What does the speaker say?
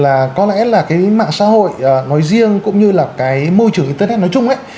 là có lẽ là cái mạng xã hội nói riêng cũng như là cái môi trường internet nói chung ấy